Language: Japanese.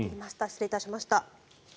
失礼いたしました。